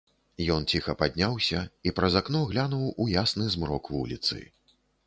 Ён ціха падняўся і праз акно глянуў у ясны змрок вуліцы.